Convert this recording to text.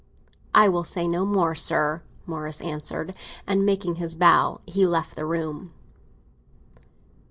"I will say no more, sir!" Morris answered; and, making his bow, he left the room.